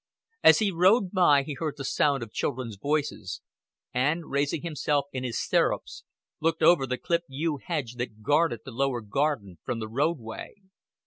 As he rode by he heard the sound of children's voices, and, raising himself in his stirrups, looked over the clipped yew hedge that guarded the lower garden from the roadway.